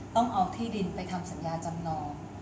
ต้องเอาที่ดินไปทำสัญญาจำนอง